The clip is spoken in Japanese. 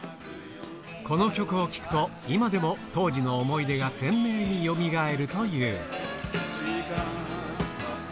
この曲を聴くと、今でも当時の思い出が鮮明によみがえるという。